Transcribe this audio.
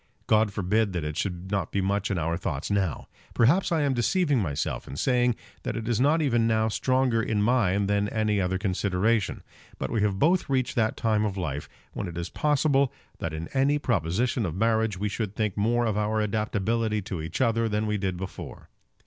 God forbid that it should not be much in our thoughts now! Perhaps I am deceiving myself in saying that it is not even now stronger in mine than any other consideration. But we have both reached that time of life, when it is probable that in any proposition of marriage we should think more of our adaptability to each other than we did before.